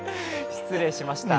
失礼しました。